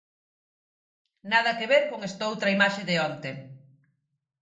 Nada que ver con estoutra imaxe de onte.